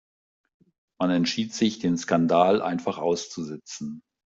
Man entschied sich, den Skandal einfach auszusitzen.